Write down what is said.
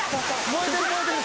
燃えてる燃えてる。